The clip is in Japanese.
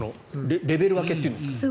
レベル分けっていうんですか。